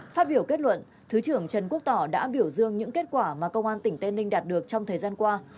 phát biểu kết luận thứ trưởng trần quốc tỏ đã biểu dương những kết quả mà công an tỉnh tây ninh đạt được trong thời gian qua